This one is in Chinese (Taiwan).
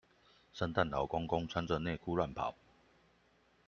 聖誕老公公，穿著內褲亂跑